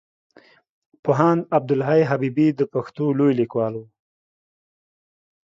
پوهاند عبدالحی حبيبي د پښتو لوی ليکوال وو.